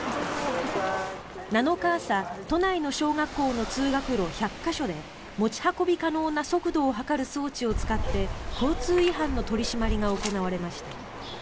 ７日朝、都内の小学校の通学路１００か所で持ち運び可能な速度を測る装置を使って交通違反の取り締まりが行われました。